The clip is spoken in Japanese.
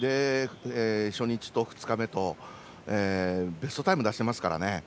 初日と２日目とベストタイムを出していますから。